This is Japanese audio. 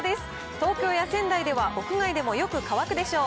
東京や仙台は屋外でもよく乾くでしょう。